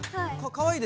かわいい。